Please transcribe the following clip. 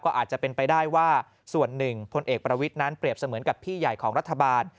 ก็อาจจะเป็นไปได้ว่าส่วนหนึ่งพลเอกประวิทย์นั้นเปรียบเสมือนกับพี่ใหญ่ของรัฐบาล